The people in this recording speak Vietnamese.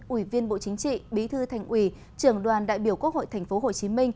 ủy viên bộ chính trị bí thư thành ủy trưởng đoàn đại biểu quốc hội tp hcm